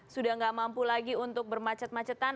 sudah nggak mampu lagi untuk bermacet macetan